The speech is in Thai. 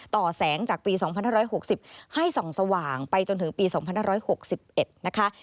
ต่อแสงจากปี๒๕๖๐ให้ส่องสว่างไปจนถึงปี๒๕๖๑นะคะ